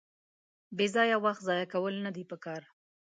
بېځایه وخت ځایه کول ندي پکار.